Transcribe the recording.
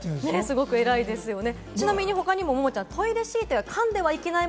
すごく偉いですよね。